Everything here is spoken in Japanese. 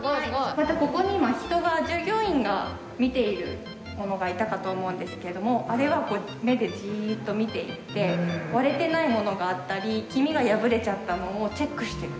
またここに今人が従業員が見ている者がいたかと思うんですけれどもあれは割れてないものがあったり黄身が破れちゃったものをチェックしてる。